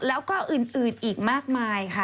แล้วก็อื่นอีกมากมายค่ะ